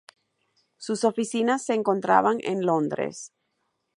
Sus oficinas se encontraban en Londres.